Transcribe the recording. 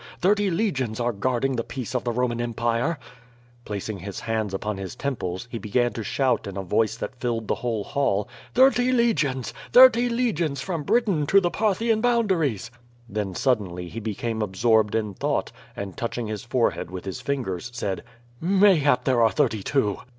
Thirty legions are guarding the peace of the Roman Empire.'' IHacing his hands upon his temples, he began to shout in a voice that filled the whole hall: "Thirty legions, thirty legions, from Britain to the Parthian boundaries.'' Then suddenly he became absort)ed in thought, and touch ing his forehead with his fingers, said: "Mayhap there are thirty two.